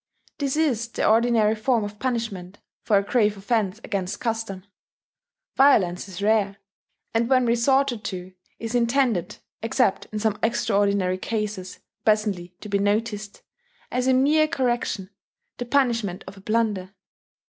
This is the ordinary form of punishment for a grave offence against custom: violence is rare, and when resorted to is intended (except in some extraordinary cases presently to be noticed) as a mere correction, the punishment of a blunder.